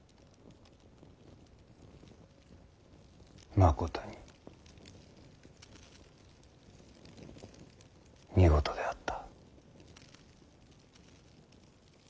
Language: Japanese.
まことに見事であった。